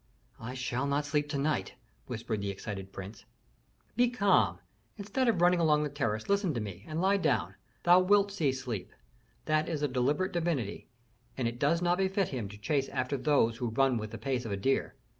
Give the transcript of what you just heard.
"I shall not sleep to night," whispered the excited prince. "Be calm. Instead of running along the terrace listen to me and lie down. Thou wilt see Sleep that is a deliberate divinity, and it does not befit him to chase after those who run with the pace of a deer.